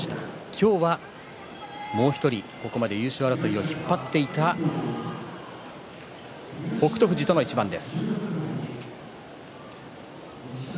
今日はもう１人、ここまで優勝争いを、引っ張ってきた北勝富士との一番です。